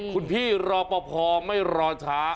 คุณพี่รอปภไม่รอช้า